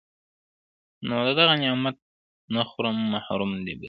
نو د دغه نعمت نه خو محروم محروم دی بلکي